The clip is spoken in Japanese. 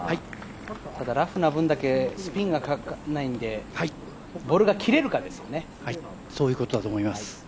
ラフな分だけ、スピンがかからないんで、ボールがきれるかですよね。